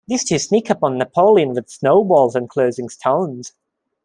These two sneak up on Napoleon with snowballs enclosing stones.